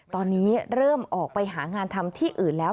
ตอนนี้เริ่มออกไปหางานทำที่อื่นแล้ว